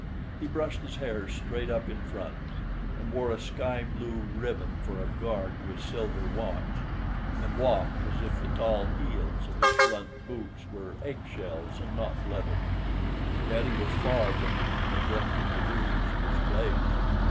He brushed his hair straight up in front, and wore a sky blue ribbon for a guard to his silver watch, and walked as if the tall heels of his blunt boots were egg shells and not leather. Yet he was far from neglecting the duties of his place.